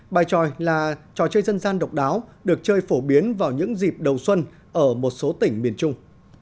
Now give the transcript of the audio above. bài tròi là trò chơi dân gian độc đáo được chơi phổ biến vào những dịp đầu xuân ở một số tỉnh miền trung